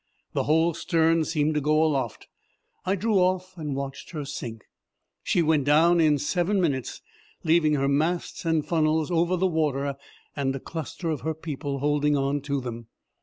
The whole stern seemed to go aloft. I drew off and watched her sink. She went down in seven minutes, leaving her masts and funnels over the water and a cluster of her people holding on to them.